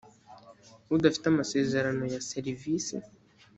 udafite amasezerano ya serivisi